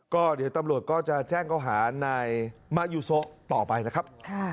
ก็เดี๋ยวตำรวจก็จะแจ้งเขาหานายมายูโซต่อไปนะครับ